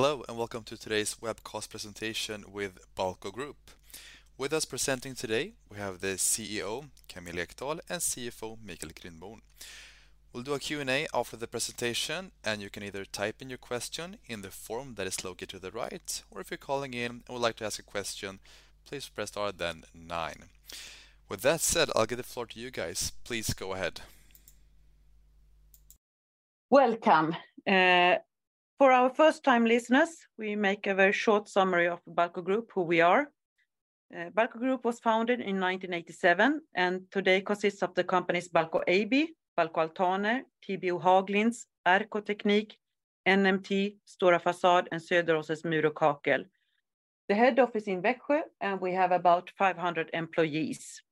Hello, welcome to today's webcast presentation with Balco Group. With us presenting today, we have the CEO, Camilla Ekdahl, and CFO, Michael Grindborn. We'll do a Q&A after the presentation, and you can either type in your question in the form that is located to the right, or if you're calling in and would like to ask a question, please press star then nine. With that said, I'll give the floor to you guys. Please go ahead. Welcome. For our first-time listeners, we make a very short summary of Balco Group, who we are. Balco Group was founded in 1987 and today consists of the companies Balco AB, Balco Altaner, TBO-Haglinds, RK Teknik, NMT, Stora Fasad, and Söderåsens Mur & Kakel. The head office in Växjö, and we have about 500 employees.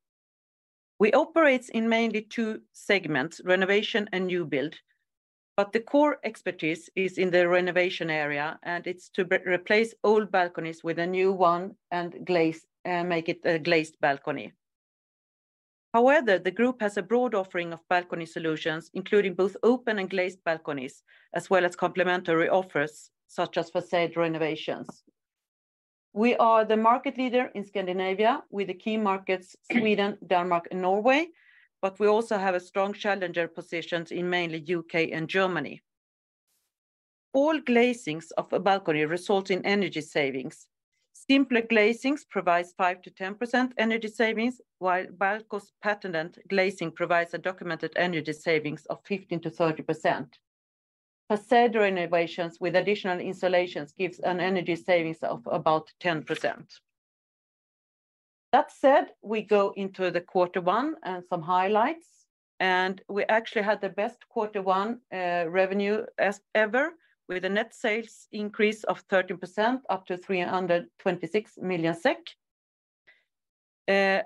We operate in mainly two segments: renovation and new build. The core expertise is in the renovation area, and it's to replace old balconies with a new one and make it a glazed balcony. The group has a broad offering of balcony solutions, including both open and glazed balconies, as well as complementary offers such as facade renovations. We are the market leader in Scandinavia with the key markets, Sweden, Denmark, and Norway. We also have a strong challenger positions in mainly UK and Germany. All glazings of a balcony result in energy savings. Simpler glazings provides 5%-10% energy savings, while Balco's patented glazing provides a documented energy savings of 15%-30%. Facade renovations with additional installations gives an energy savings of about 10%. That said, we go into the quarter one and some highlights. We actually had the best quarter one revenue as ever with a net sales increase of 13% up to 326 million SEK.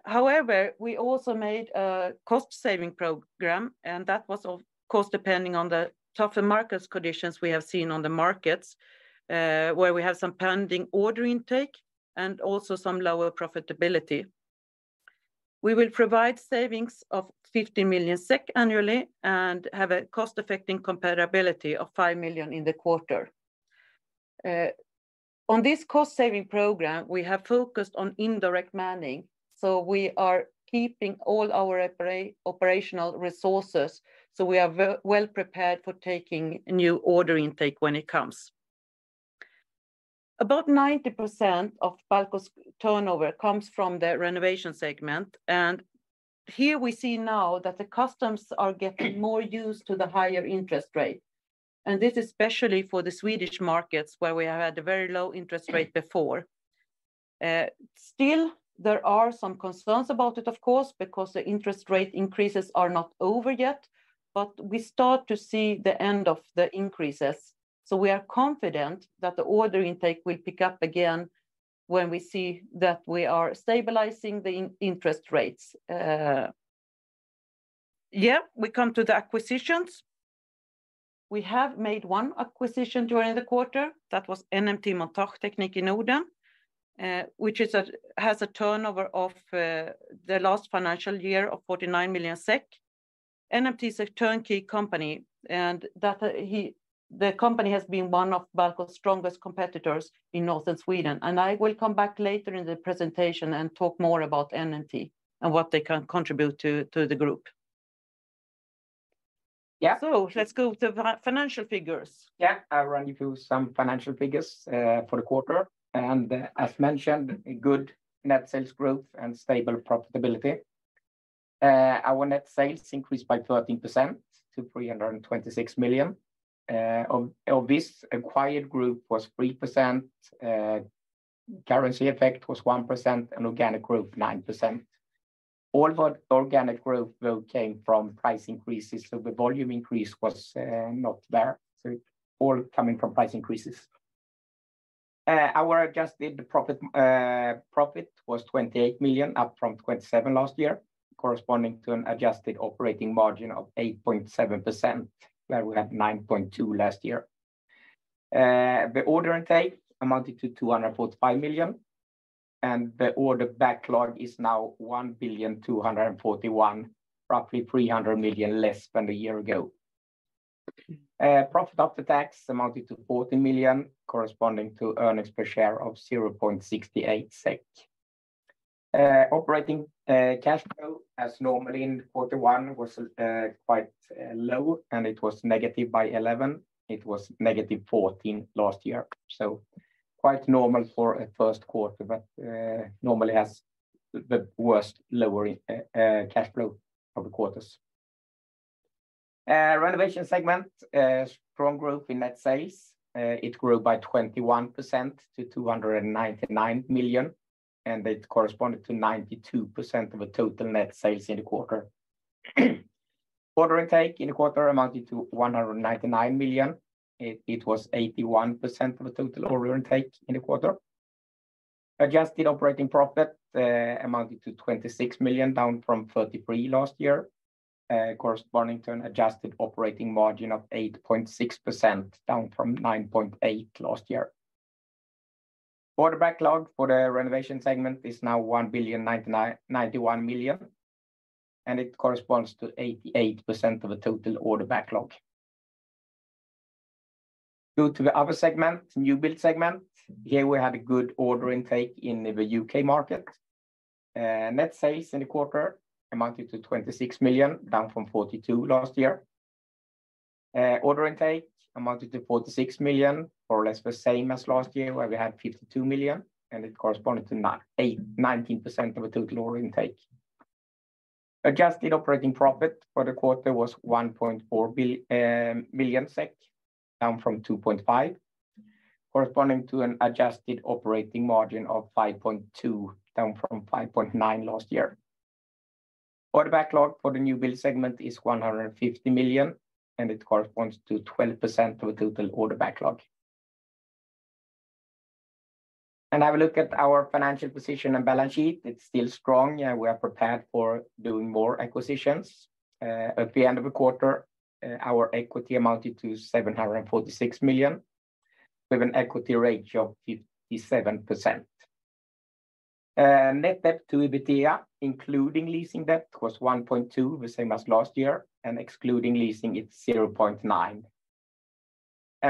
However, we also made a cost-saving program. That was, of course, depending on the tougher markets conditions we have seen on the markets, where we have some pending order intake and also some lower profitability. We will provide savings of 50 million SEK annually and have a cost-affecting comparability of 5 million in the quarter. On this cost-saving program, we have focused on indirect manning, we are keeping all our operational resources, so we are well prepared for taking new order intake when it comes. About 90% of Balco's turnover comes from the renovation segment, here we see now that the customers are getting more used to the higher interest rate, this is especially for the Swedish markets, where we have had a very low interest rate before. Still, there are some concerns about it, of course, because the interest rate increases are not over yet, but we start to see the end of the increases. We are confident that the order intake will pick up again when we see that we are stabilizing the interest rates. We come to the acquisitions. We have made one acquisition during the quarter. That was NMT Montageteknik in Boden, which has a turnover of the last financial year of 49 million SEK. NMT is a turnkey company, and the company has been one of Balco's strongest competitors in Northern Sweden. I will come back later in the presentation and talk more about NMT and what they can contribute to the group. Let's go to financial figures. Yeah. I'll run you through some financial figures for the quarter. As mentioned, a good net sales growth and stable profitability. Our net sales increased by 13% to 326 million. Of this acquired group was 3%, currency effect was 1% and organic growth 9%. All of our organic growth will came from price increases, so the volume increase was not there, so all coming from price increases. Our adjusted profit was 28 million up from 27 million last year, corresponding to an adjusted operating margin of 8.7%, where we had 9.2% last year. The order intake amounted to 245 million, and the order backlog is now 1,241 million, roughly 300 million less than a year ago. Profit after tax amounted to 40 million, corresponding to earnings per share of 0.68 SEK. Operating cash flow, as normally in quarter one, was quite low, and it was negative by 11. It was negative 14 last year. Quite normal for a first quarter, but normally has the worst lower cash flow of the quarters. Renovation segment, strong growth in net sales. It grew by 21% to 299 million, and it corresponded to 92% of the total net sales in the quarter. Order intake in the quarter amounted to 199 million. It was 81% of the total order intake in the quarter. Adjusted operating profit amounted to 26 million, down from 33 last year. Corresponding to an adjusted operating margin of 8.6%, down from 9.8% last year. Order backlog for the renovation segment is now 1,091 million, and it corresponds to 88% of the total order backlog. Go to the other segment, new build segment. Here we had a good order intake in the UK market. Net sales in the quarter amounted to 26 million, down from 42 million last year. Order intake amounted to 46 million, more or less the same as last year, where we had 52 million, and it corresponded to 19% of the total order intake. Adjusted operating profit for the quarter was 1.4 million SEK, down from 2.5 million, corresponding to an adjusted operating margin of 5.2%, down from 5.9% last year. Order backlog for the new build segment is 150 million, it corresponds to 12% of the total order backlog. Have a look at our financial position and balance sheet. It's still strong, and we are prepared for doing more acquisitions. At the end of the quarter, our equity amounted to 746 million, with an equity ratio of 57%. Net debt to EBITDA, including leasing debt, was 1.2, the same as last year, and excluding leasing, it's 0.9.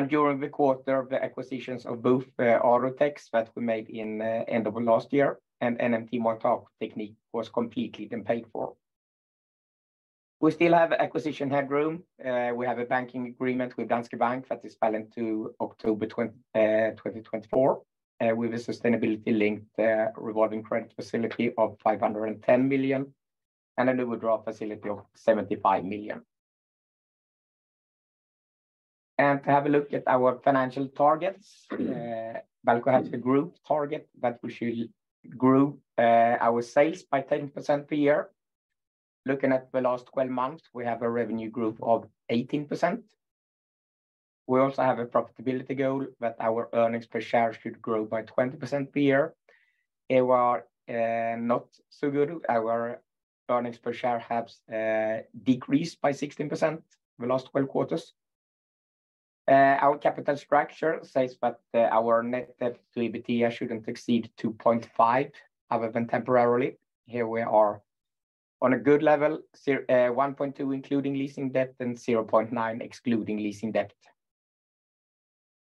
During the quarter, the acquisitions of both Arutex that we made in end of last year and NMT Montageteknik was completely then paid for. We still have acquisition headroom. We have a banking agreement with Danske Bank that is valid to October 2024, with a sustainability-linked revolving credit facility of 510 million and an overdraft facility of 75 million. To have a look at our financial targets, Balco has a group target that we should grow our sales by 10% per year. Looking at the last 12 months, we have a revenue growth of 18%. We also have a profitability goal that our earnings per share should grow by 20% per year. They were not so good. Our earnings per share have decreased by 16% the last 12 quarters. Our capital structure says that our net debt to EBITDA shouldn't exceed 2.5 other than temporarily. Here we are on a good level, 1.2 including leasing debt and 0.9 excluding leasing debt.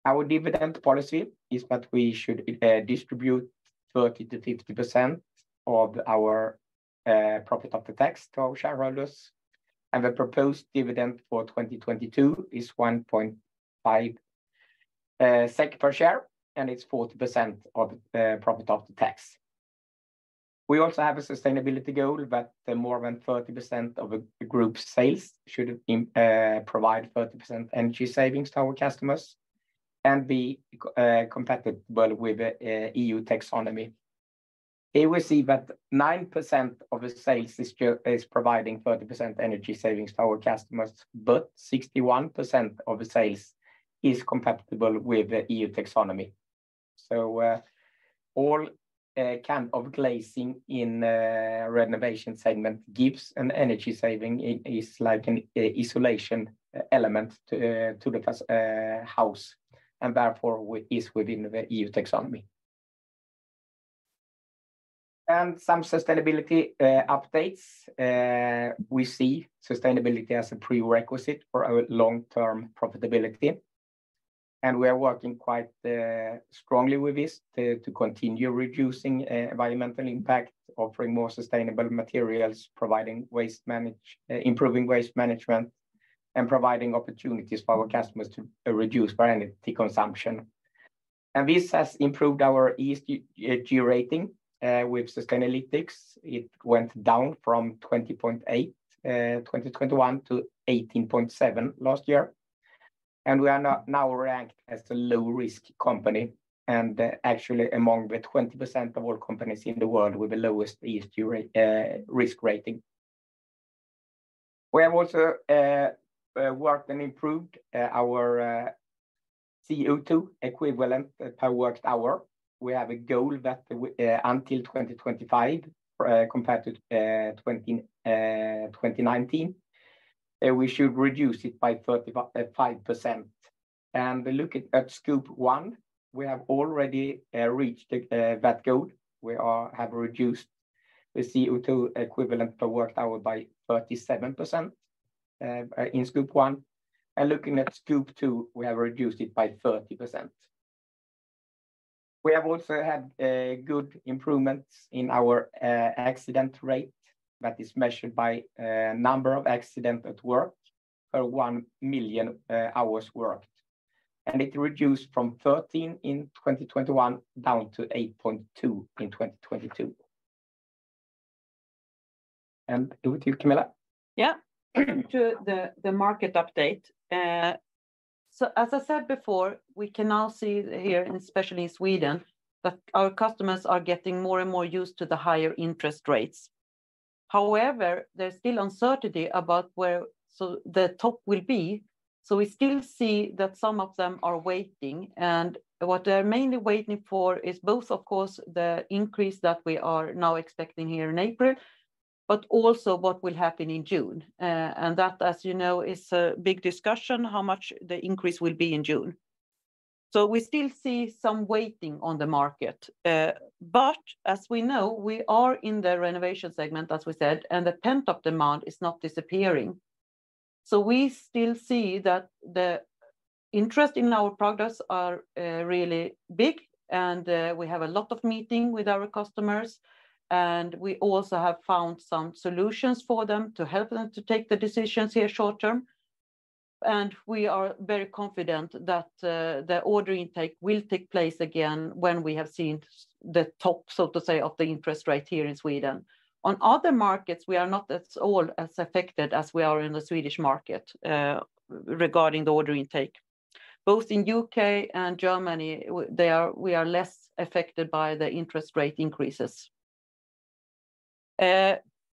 Our dividend policy is that we should distribute 30%-50% of our profit of the tax to our shareholders. The proposed dividend for 2022 is 1.5 SEK per share. It's 40% of the profit of the tax. We also have a sustainability goal that more than 30% of the group sales should provide 30% energy savings to our customers and be compatible with EU taxonomy. Here we see that 9% of the sales this year is providing 30% energy savings to our customers. 61% of the sales is compatible with the EU taxonomy. All kind of glazing in the renovation segment gives an energy saving is like an isolation element to the house, and therefore is within the EU taxonomy. Some sustainability updates. We see sustainability as a prerequisite for our long-term profitability, and we are working quite strongly with this to continue reducing environmental impact, offering more sustainable materials, improving waste management, and providing opportunities for our customers to reduce their energy consumption. This has improved our ESG rating with Sustainalytics. It went down from 20.8, 2021, to 18.7 last year. We are now ranked as a low-risk company, and actually among the 20% of all companies in the world with the lowest ESG risk rating. We have also worked and improved our CO₂ equivalent per worked hour. We have a goal that until 2025, compared to 2019, we should reduce it by 35%. Look at Scope 1, we have already reached that goal. We have reduced the CO₂ equivalent per worked hour by 37% in Scope 1. Looking at Scope 2, we have reduced it by 30%. We have also had good improvements in our accident rate that is measured by number of accidents at work per 1 million hours worked. It reduced from 13 in 2021 down to 8.2 in 2022. Over to you, Camilla. Yeah. To the market update. As I said before, we can now see here, and especially in Sweden, that our customers are getting more and more used to the higher interest rates. However, there's still uncertainty about where the top will be. We still see that some of them are waiting, and what they're mainly waiting for is both, of course, the increase that we are now expecting here in April. Also what will happen in June. That, as you know, is a big discussion, how much the increase will be in June. We still see some waiting on the market. As we know, we are in the renovation segment, as we said, and the pent-up demand is not disappearing. We still see that the interest in our products are really big, and we have a lot of meeting with our customers, and we also have found some solutions for them to help them to take the decisions here short term. We are very confident that the order intake will take place again when we have seen the top, so to say, of the interest rate here in Sweden. On other markets, we are not as all as affected as we are in the Swedish market regarding the order intake. Both in UK and Germany, we are less affected by the interest rate increases.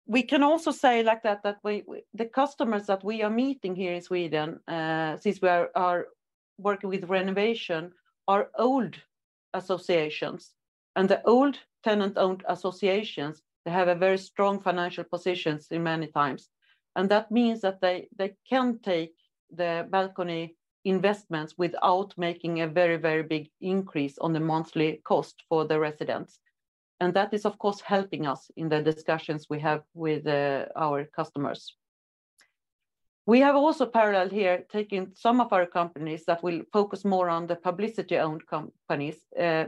We can also say like that we the customers that we are meeting here in Sweden, since we are working with renovation, are old associations. The old tenant-owned associations, they have a very strong financial positions in many times. That means that they can take the balcony investments without making a very big increase on the monthly cost for the residents. That is, of course, helping us in the discussions we have with our customers. We have also paralleled here taking some of our companies that will focus more on the publicly-owned companies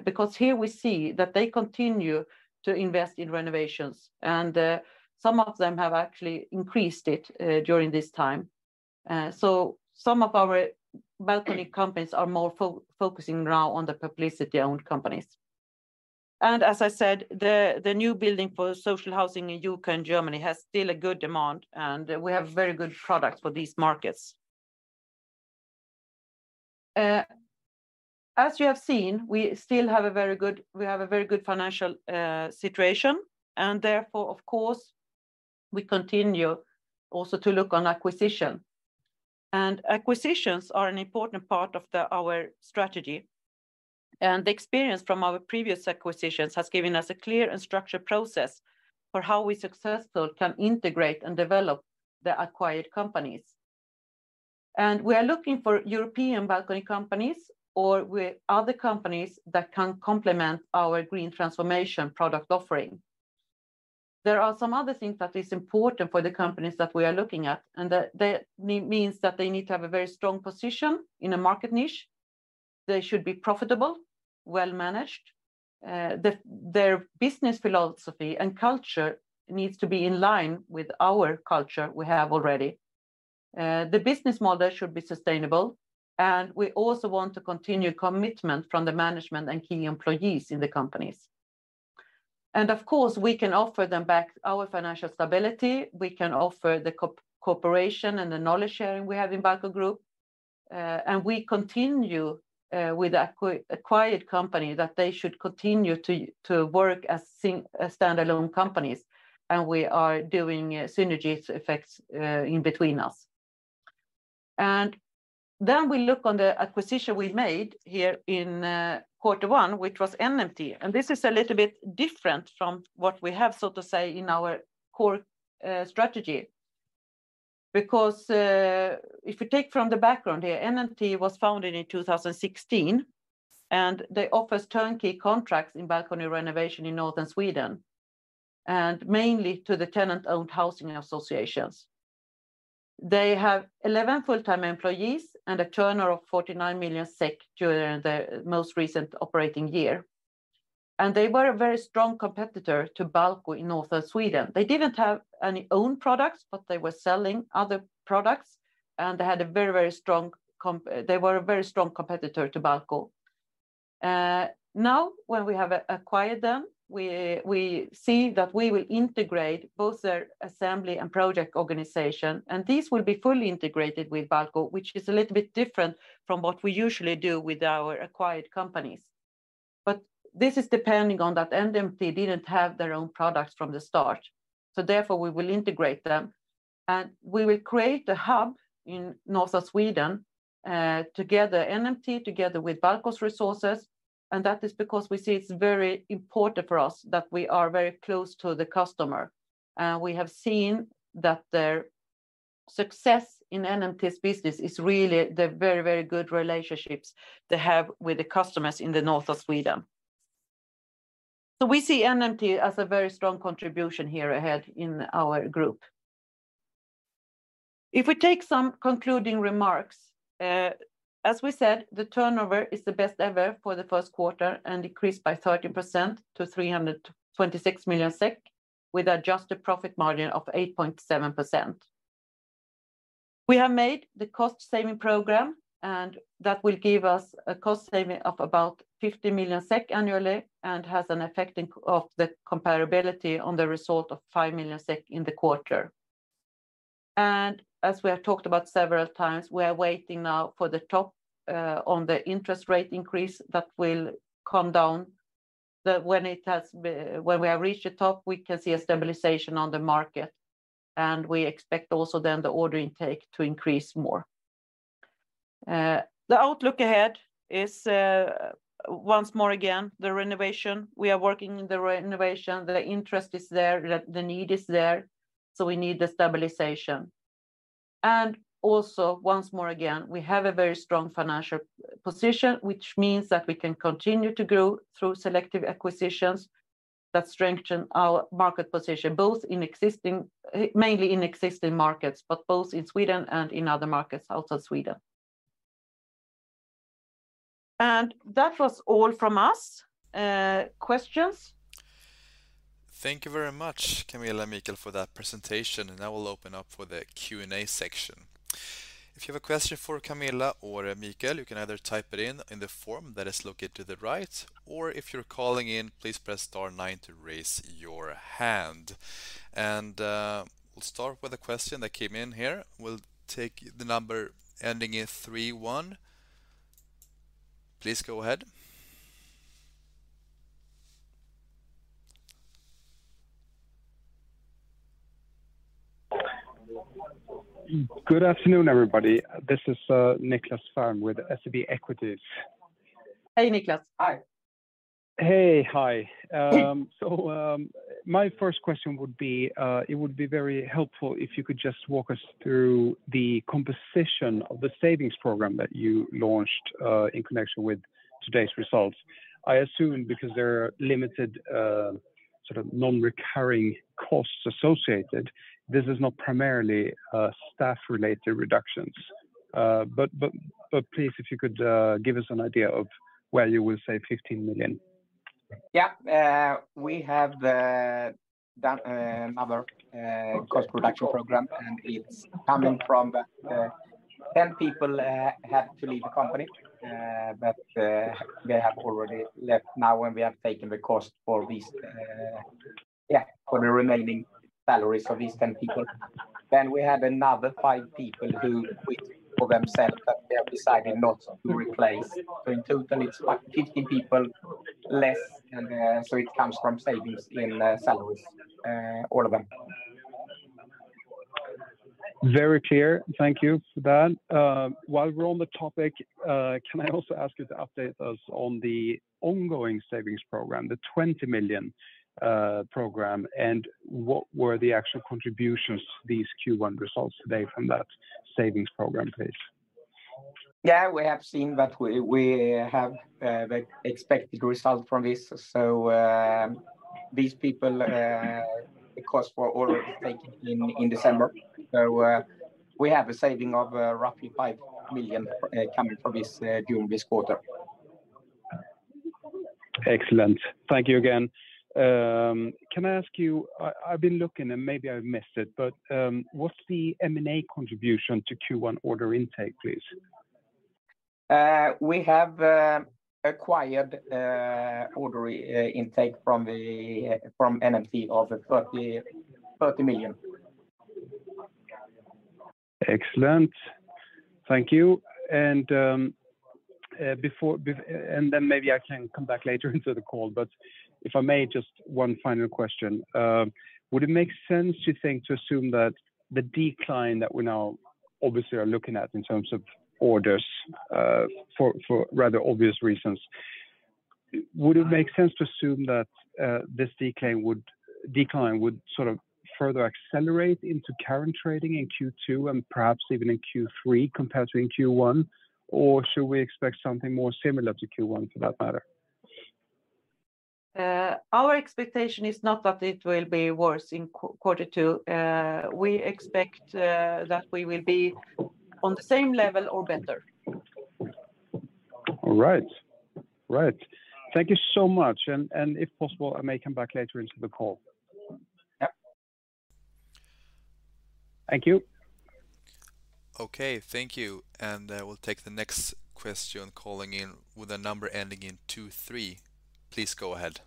because here we see that they continue to invest in renovations. Some of them have actually increased it during this time. So some of our balcony companies are more focusing now on the publicly-owned companies. As I said, the new building for social housing in UK and Germany has still a good demand, and we have very good products for these markets. As you have seen, we still have a very good, we have a very good financial situation, and therefore, of course, we continue also to look on acquisition. Acquisitions are an important part of our strategy. The experience from our previous acquisitions has given us a clear and structured process for how we successfully can integrate and develop the acquired companies. We are looking for European balcony companies or with other companies that can complement our green transformation product offering. There are some other things that is important for the companies that we are looking at, that means that they need to have a very strong position in a market niche. They should be profitable, well-managed. Their business philosophy and culture needs to be in line with our culture we have already. The business model should be sustainable, and we also want to continue commitment from the management and key employees in the companies. Of course, we can offer them back our financial stability, we can offer the cooperation and the knowledge sharing we have in Balco Group. We continue with acquired company that they should continue to work as standalone companies, and we are doing synergy effects in between us. We look on the acquisition we made here in quarter one, which was NMT, and this is a little bit different from what we have, so to say, in our core strategy. If you take from the background here, NMT was founded in 2016, they offers turnkey contracts in balcony renovation in northern Sweden, mainly to the tenant-owned housing associations. They have 11 full-time employees and a turnover of 49 million SEK during the most recent operating year. They were a very strong competitor to Balco in northern Sweden. They didn't have any own products, they were selling other products, they had a very, very strong competitor to Balco. Now, when we have acquired them, we see that we will integrate both their assembly and project organization, these will be fully integrated with Balco, which is a little bit different from what we usually do with our acquired companies. This is depending on that NMT didn't have their own products from the start. We will integrate them, we will create a hub in northern Sweden, together NMT, together with Balco's resources, we see it's very important for us that we are very close to the customer. We have seen that their success in NMT's business is really the very, very good relationships they have with the customers in the north of Sweden. We see NMT as a very strong contribution here ahead in our group. As we said, the turnover is the best ever for the first quarter and decreased by 13% to 326 million SEK with adjusted profit margin of 8.7%. We have made the cost-saving program, and that will give us a cost saving of about 50 million SEK annually and has an effect of the comparability on the result of 5 million SEK in the quarter. As we have talked about several times, we are waiting now for the top on the interest rate increase that will come down. When we have reached the top, we can see a stabilization on the market, and we expect also then the order intake to increase more. The outlook ahead is once more again, the renovation. We are working in the renovation. The interest is there, the need is there. We need the stabilization. Also, once more again, we have a very strong financial position, which means that we can continue to grow through selective acquisitions that strengthen our market position, mainly in existing markets, but both in Sweden and in other markets outside Sweden. That was all from us. Questions? Thank you very much, Camilla and Michael, for that presentation. Now we'll open up for the Q&A section. If you have a question for Camilla or Michael, you can either type it in in the form that is located to the right, or if you're calling in, please press star nine to raise your hand. We'll start with a question that came in here. We'll take the number ending in 31. Please go ahead. Good afternoon, everybody. This is Nicklas Fhärm with SEB Equities. Hey, Nicklas. Hi. Hey. Hi. My first question would be, it would be very helpful if you could just walk us through the composition of the savings program that you launched in connection with today's results. I assume because there are limited, sort of non-recurring costs associated, this is not primarily, staff-related reductions. Please, if you could, give us an idea of where you will save 15 million. Yeah. We have done another cost reduction program. It's coming from 10 people had to leave the company. They have already left now, and we have taken the cost for these, yeah, for the remaining salaries of these 10 people. We had another 5 people who quit for themselves, that we are deciding not to replace. In total it's like 15 people less. It comes from savings in salaries, all of them. Very clear. Thank you for that. While we're on the topic, can I also ask you to update us on the ongoing savings program, the 20 million program? What were the actual contributions these Q1 results today from that savings program, please? Yeah. We have seen that we have the expected result from this. These people, the cost were already taken in December. We have a saving of, roughly 5 million, coming from this, during this quarter. Excellent. Thank you again. Can I ask you, I've been looking, maybe I've missed it, but, what's the M&A contribution to Q1 order intake, please? We have acquired order intake from the, from NMT of SEK 30 million. Excellent. Thank you. Then maybe I can come back later into the call, but if I may, just one final question. Would it make sense, do you think, to assume that the decline that we now obviously are looking at in terms of orders, for rather obvious reasons, would it make sense to assume that this decline would sort of further accelerate into current trading in Q2 and perhaps even in Q3 compared to in Q1? Should we expect something more similar to Q1 for that matter? Our expectation is not that it will be worse in Quarter 2. We expect that we will be on the same level or better. All right. Right. Thank you so much. If possible, I may come back later into the call. Yeah. Thank you. Okay. Thank you. I will take the next question calling in with a number ending in 23. Please go ahead.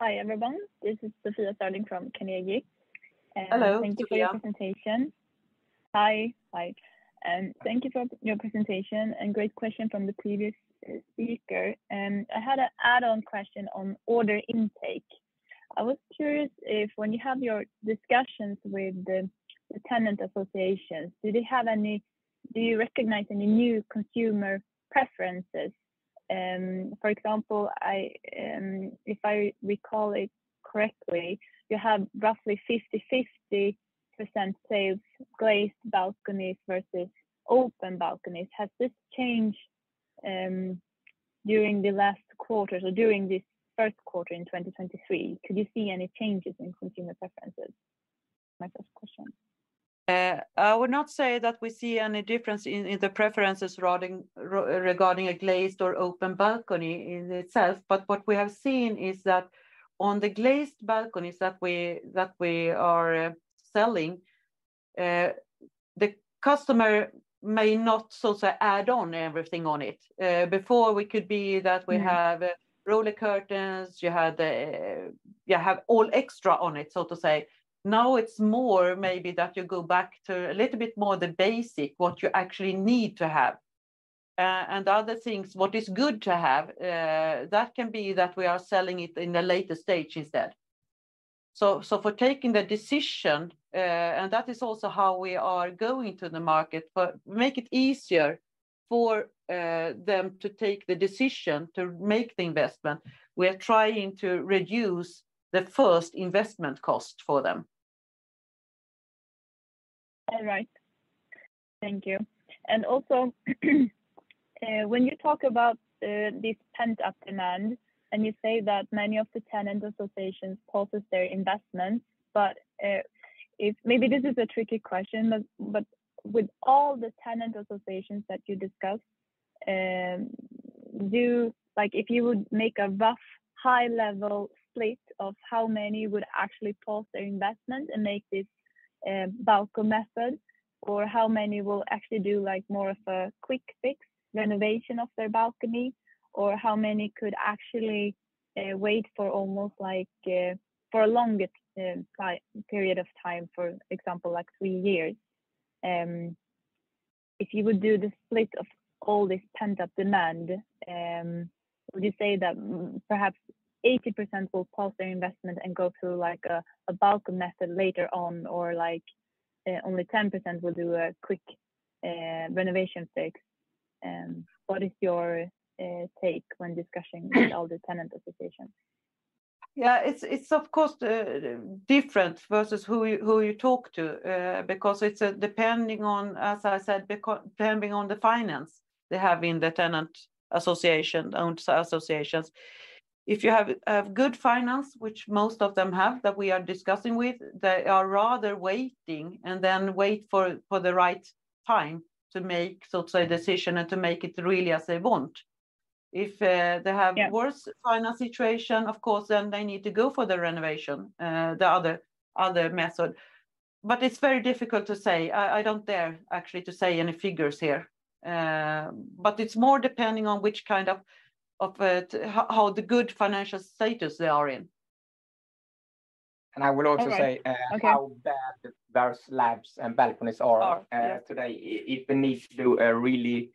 Hi, everyone. This is Sofia Ståhl from Carnegie. Hello, Sofia. Thank you for your presentation. Hi. Hi. Thank you for your presentation, and great question from the previous speaker. I had an add-on question on order intake. I was curious if when you have your discussions with the tenant associations, do they have any new consumer preferences? For example, I, if I recall it correctly, you have roughly 50/50%, say, of glazed balconies versus open balconies. Has this changed during the last quarter or during this first quarter in 2023? Could you see any changes in consumer preferences? My first question. I would not say that we see any difference in the preferences regarding a glazed or open balcony in itself. What we have seen is that on the glazed balconies that we are selling, the customer may not so say add on everything on it. Before we could be that we have roller curtains, you had, you have all extra on it, so to say. It's more maybe that you go back to a little bit more the basic, what you actually need to have. Other things what is good to have, that can be that we are selling it in a later stage instead. For taking the decision, and that is also how we are going to the market, but make it easier for them to take the decision to make the investment. We are trying to reduce the first investment cost for them. All right. Thank you. When you talk about this pent-up demand, and you say that many of the tenant associations pauses their investments, but Maybe this is a tricky question, but with all the tenant associations that you discussed, Like, if you would make a rough high-level split of how many would actually pause their investment and make this Balco Method, or how many will actually do, like, more of a quick fix renovation of their balcony, or how many could actually wait for almost like for a longer period of time, for example, like 3 years. If you would do the split of all this pent-up demand, would you say that perhaps 80% will pause their investment and go through a Balco Method later on, or only 10% will do a quick renovation fix? What is your take when discussing all the tenant associations? Yeah. It's of course different versus who you talk to, because it's depending on, as I said, depending on the finance they have in the tenant association-owned associations. If you have good finance, which most of them have, that we are discussing with, they are rather waiting, and then wait for the right time to make, so to say, decision and to make it really as they want. If they have- Yeah... worse finance situation, of course, they need to go for the renovation, the other method. It's very difficult to say. I don't dare actually to say any figures here. It's more depending on which kind of how the good financial status they are in. I will also say. Okay how bad their slabs and balconies are Are, yes.... today. If they need to do a really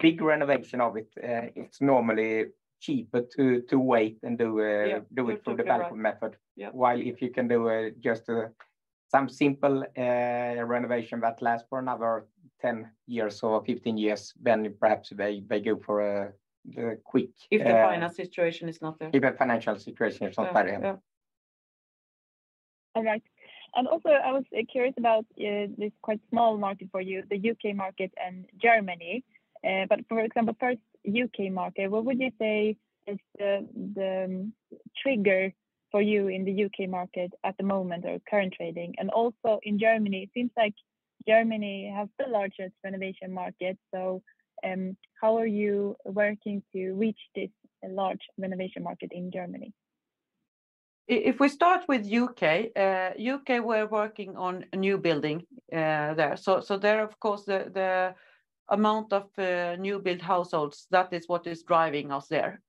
big renovation of it's normally cheaper to wait and... Yeah... do it through the Balco Method. Yeah. If you can do just some simple renovation that lasts for another 10 years or 15 years, then perhaps they go for the quick. If the finance situation is not there. if the financial situation is not there, yeah. Yeah. Yeah. All right. I was curious about this quite small market for you, the U.K. market and Germany. First U.K. market, what would you say is the trigger for you in the U.K. market at the moment or current trading? In Germany, it seems like Germany has the largest renovation market. How are you working to reach this large renovation market in Germany? If we start with U.K., we're working on new building there. There, of course, the amount of new build households, that is what is driving us there.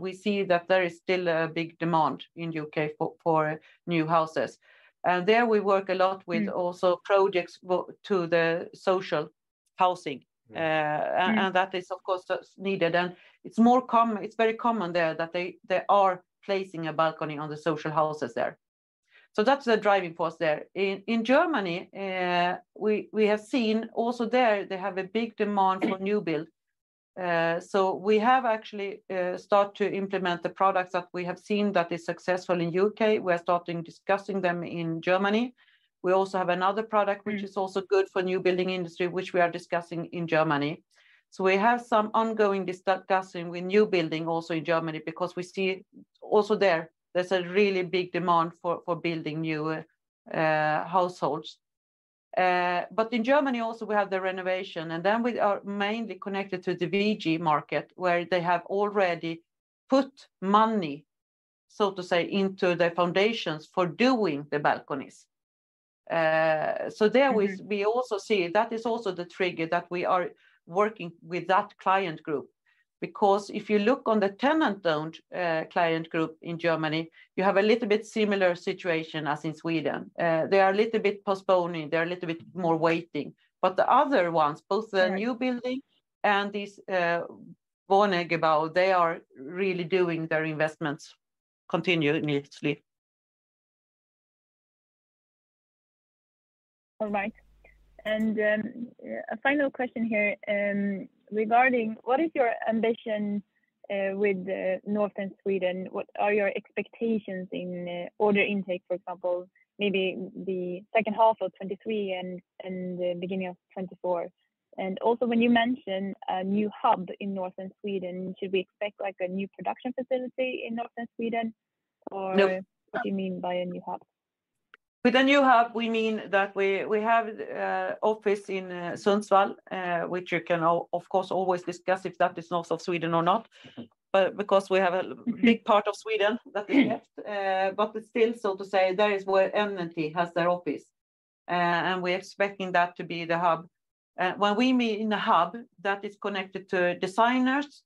We see that there is still a big demand in U.K. for new houses. There we work a lot with also projects to the social housing. That is, of course, that's needed. It's very common there that they are placing a balcony on the social houses there. That's the driving force there. In Germany, we have seen also there they have a big demand for new build. We have actually start to implement the products that we have seen that is successful in U.K. We're starting discussing them in Germany. We also have another product which is also good for new building industry, which we are discussing in Germany. We have some ongoing discussing with new building also in Germany because we see also there's a really big demand for building new households. In Germany also, we have the renovation, and then we are mainly connected to the VG market, where they have already put money, so to say, into the foundations for doing the balconies. There we also see that is also the trigger that we are working with that client group. If you look on the tenant-owned client group in Germany, you have a little bit similar situation as in Sweden. They are a little bit postponing, they are a little bit more waiting. The other ones, both the new building and these, they are really doing their investments continuously. All right. A final question here regarding what is your ambition with northern Sweden? What are your expectations in order intake, for example, maybe the second half of 2023 and the beginning of 2024? Also, when you mention a new hub in northern Sweden, should we expect like a new production facility in northern Sweden or-? No what do you mean by a new hub? With a new hub, we mean that we have office in Sundsvall, which you can of course, always discuss if that is north of Sweden or not. Because we have a big part of Sweden that is left, but still, so to say, that is where NMT has their office. And we're expecting that to be the hub. When we meet in the hub that is connected to designers,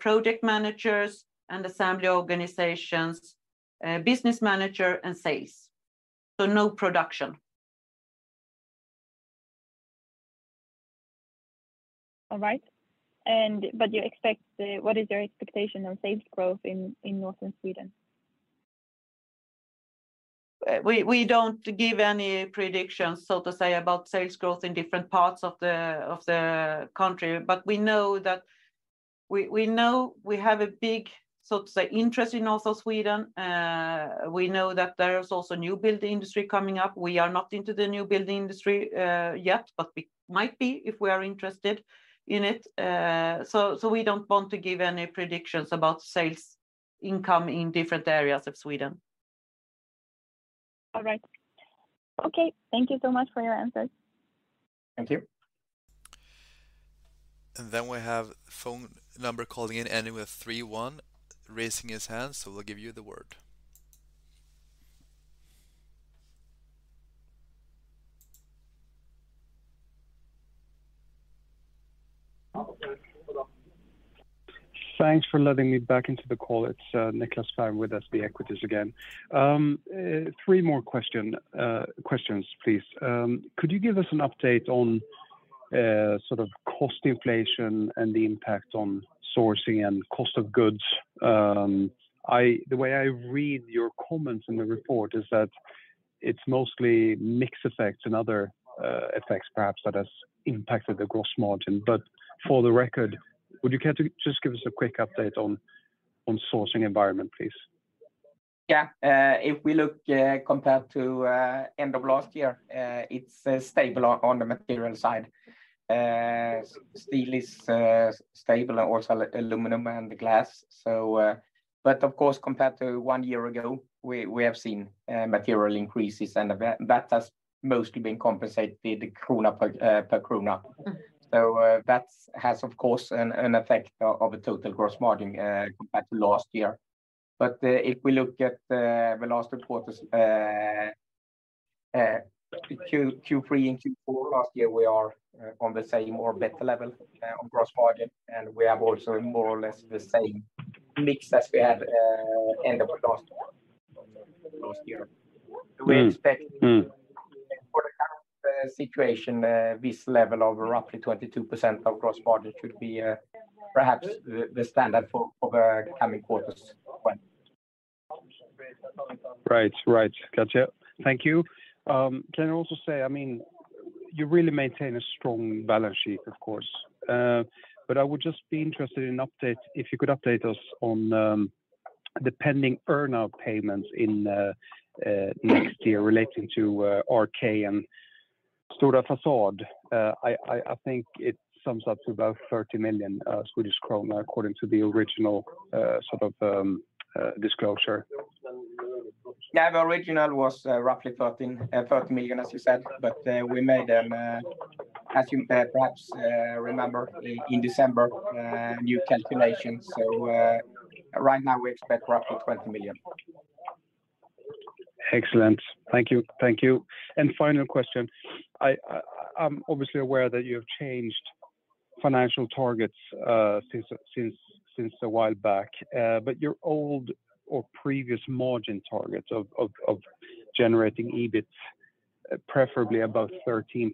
project managers, and assembly organizations, business manager, and sales. No production. All right. You expect What is your expectation on sales growth in Northern Sweden? We don't give any predictions, so to say, about sales growth in different parts of the country. We know that we know we have a big, so to say, interest in Northern Sweden. We know that there is also new build industry coming up. We are not into the new build industry yet, but we might be if we are interested in it. We don't want to give any predictions about sales income in different areas of Sweden. All right. Okay. Thank you so much for your answers. Thank you. We have phone number calling in ending with 31 raising his hand, so we'll give you the word. Thanks for letting me back into the call. It's Nicklas Fhärm with SEB Equities again. three more questions, please. Could you give us an update on sort of cost inflation and the impact on sourcing and cost of goods? The way I read your comments in the report is that it's mostly mix effects and other effects perhaps that has impacted the gross margin. For the record, would you care to just give us a quick update on sourcing environment, please? Yeah. If we look, compared to end of last year, it's stable on the material side. Steel is stable and also aluminum and the glass. Of course, compared to 1 year ago, we have seen material increases, and that has mostly been compensated SEK per SEK. That's has, of course, an effect of a total gross margin, compared to last year. If we look at the last quarters, Q3 and Q4 last year, we are on the same or better level on gross margin, and we have also more or less the same mix as we had end of last year. Mm. Mm. We expect for the current situation, this level of roughly 22% of gross margin should be, perhaps the standard for the coming quarters. Right. Right. Got you. Thank you. I mean, you really maintain a strong balance sheet, of course. I would just be interested if you could update us on the pending earn-out payments next year relating to RK and Stora Fasad. I think it sums up to about 30 million Swedish kronor according to the original sort of disclosure. The original was roughly 30 million, as you said. We made, as you perhaps remember, in December, new calculations. Right now, we expect roughly 20 million. Excellent. Thank you. Final question. I'm obviously aware that you have changed financial targets since a while back, Your old or previous margin targets of generating EBIT preferably above 13%,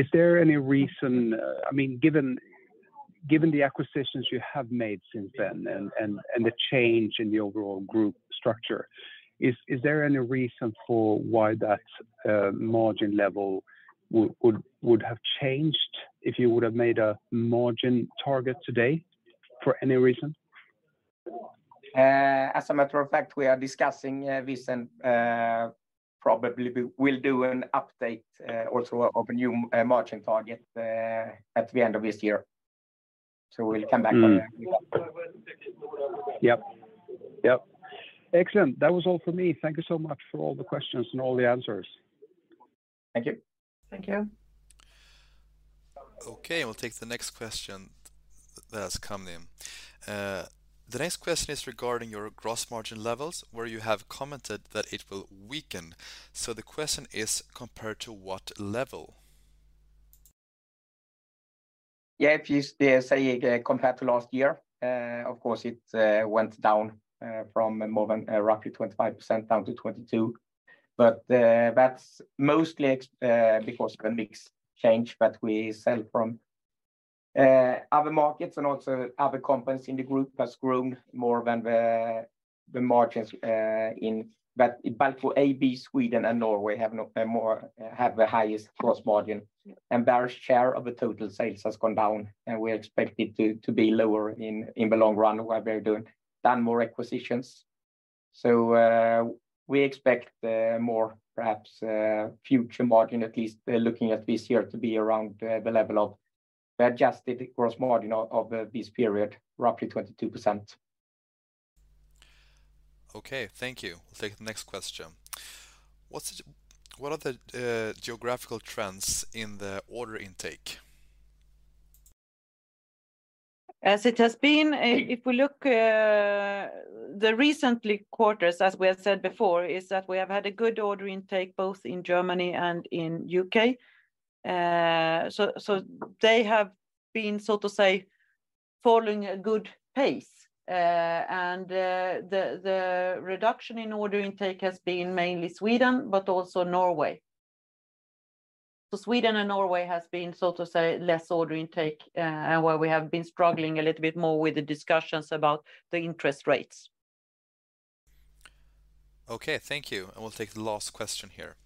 Is there any reason... I mean, given the acquisitions you have made since then and the change in the overall group structure, is there any reason for why that margin level would have changed if you would have made a margin target today for any reason? As a matter of fact, we are discussing this and probably we'll do an update also of a new margin target at the end of this year. We'll come back on that. Mm-hmm. Yep. Yep. Excellent. That was all for me. Thank you so much for all the questions and all the answers. Thank you. Thank you. Okay, we'll take the next question that has come in. The next question is regarding your gross margin levels, where you have commented that it will weaken. The question is, compared to what level? Yeah. If you say compared to last year, of course it went down from more than roughly 25% down to 22. That's mostly because of a mix change that we sell from other markets and also other companies in the group has grown more than the margins. For AB, Sweden and Norway have the highest gross margin. Their share of the total sales has gone down, and we expect it to be lower in the long run where we're doing done more acquisitions. We expect the more, perhaps, future margin, at least looking at this year, to be around the level of the adjusted gross margin of this period, roughly 22%. Okay, thank you. We'll take the next question. What are the geographical trends in the order intake? As it has been, if we look, the recently quarters, as we have said before, is that we have had a good order intake both in Germany and in U.K. They have been, so to say, following a good pace. The reduction in order intake has been mainly Sweden, but also Norway. Sweden and Norway has been, so to say, less order intake, and where we have been struggling a little bit more with the discussions about the interest rates. Okay, thank you. We'll take the last question here.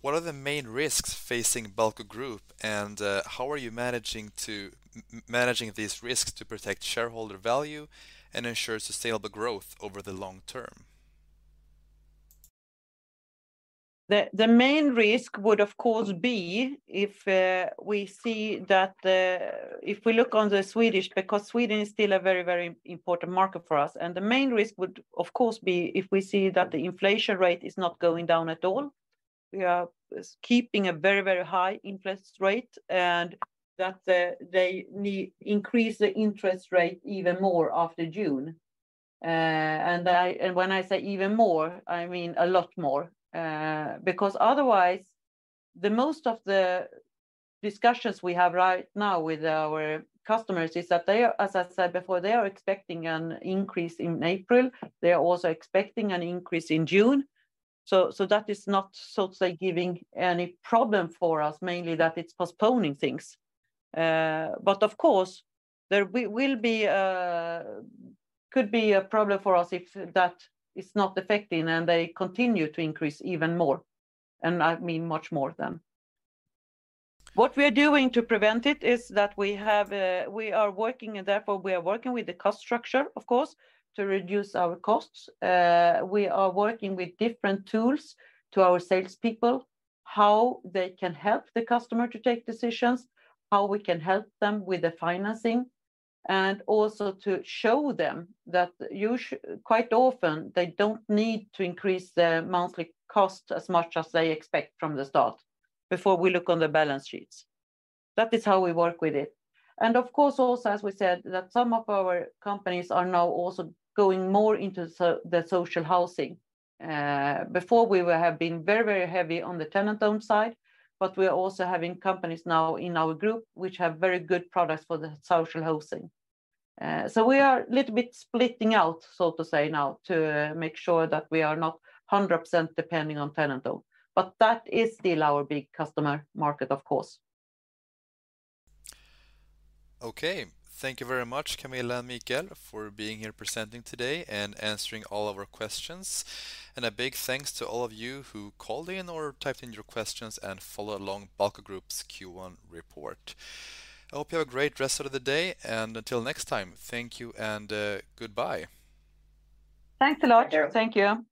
What are the main risks facing Balco Group, and how are you managing these risks to protect shareholder value and ensure sustainable growth over the long term? The main risk would, of course, be if we see that. If we look on the Swedish, because Sweden is still a very, very important market for us, and the main risk would, of course, be if we see that the inflation rate is not going down at all. We are keeping a very, very high interest rate and that they increase the interest rate even more after June. When I say even more, I mean a lot more. Otherwise, the most of the discussions we have right now with our customers is that they are, as I said before, they are expecting an increase in April. They are also expecting an increase in June. That is not, so to say, giving any problem for us, mainly that it's postponing things. Of course, there will be could be a problem for us if that is not affecting, and they continue to increase even more, and I mean much more then. What we are doing to prevent it is that we have, we are working, and therefore we are working with the cost structure, of course, to reduce our costs. We are working with different tools to our salespeople, how they can help the customer to take decisions, how we can help them with the financing, and also to show them that quite often, they don't need to increase their monthly cost as much as they expect from the start before we look on the balance sheets. That is how we work with it. Of course, also, as we said, that some of our companies are now also going more into the social housing. Before have been very, very heavy on the tenant-own side. We are also having companies now in our group which have very good products for the social housing. We are a little bit splitting out, so to say now, to make sure that we are not 100% depending on tenant-own. That is still our big customer market, of course. Okay. Thank you very much, Camilla and Michael, for being here presenting today and answering all of our questions. A big thanks to all of you who called in or typed in your questions and follow along Balco Group's Q1 report. I hope you have a great rest of the day, and until next time. Thank you and goodbye. Thanks a lot. Thank you.